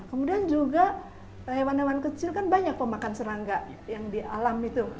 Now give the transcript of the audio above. kemudian juga hewan hewan kecil kan banyak pemakan serangga yang di alam itu